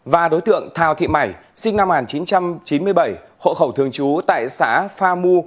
và đối tượng thao thị mảy sinh năm một nghìn chín trăm chín mươi bảy hộ khẩu thường trú tại xã pha mu